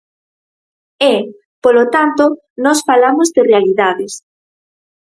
E, polo tanto, nós falamos de realidades.